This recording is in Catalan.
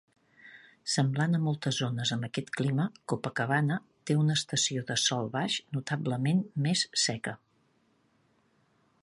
Semblant a moltes zones amb aquest clima, Copacabana té una estació de "sol baix" notablement més seca.